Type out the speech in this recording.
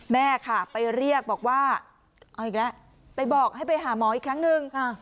แม่ค่ะไปเรียกบอกว่าเอาอีกแล้วไปบอกให้ไปหาหมออีกครั้งหนึ่ง